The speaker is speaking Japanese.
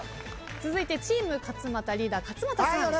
続いてチーム勝俣リーダー勝俣さん。